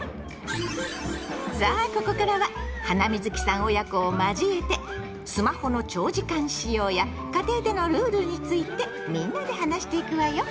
さあここからはハナミズキさん親子を交えて「スマホの長時間使用」や「家庭でのルール」についてみんなで話していくわよ。